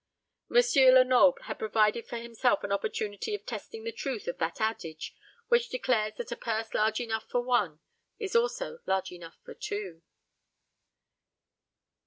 M. Lenoble had provided for himself an opportunity of testing the truth of that adage which declares that a purse large enough for one is also large enough for two.